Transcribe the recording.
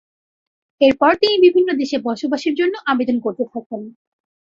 এরপর তিনি বিভিন্ন দেশে বসবাসের জন্য আবেদন করতে থাকেন।